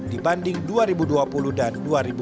dibanding dua ribu dua puluh dan dua ribu dua puluh